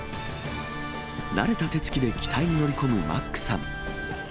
慣れた手つきで機体に乗り込むマックさん。